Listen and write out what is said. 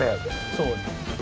そうです。